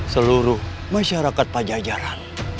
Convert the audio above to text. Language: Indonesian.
seluruh masyarakat pajajaran